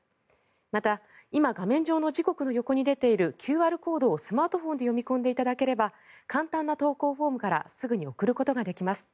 また、今画面上の時刻の横に出ているＱＲコードをスマートフォンで読み込んでいただければ簡単な投稿フォームからすぐに送ることができます。